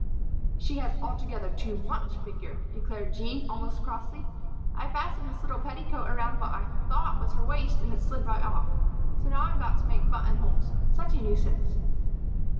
"She has altogether too much figure," declared Jean, almost crossly. "I fastened this little petticoat around what I thought was her waist and it slid right off. So now I've got to make buttonholes. Such a nuisance!"